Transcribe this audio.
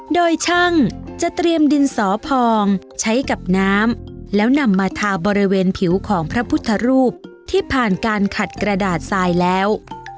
โดยช่างจะเตรียมดินสอพองใช้กับน้ำแล้วนำมาทาบริเวณผิวของพระพุทธรูปที่ผ่านการขัดกระดาษทรายแล้ว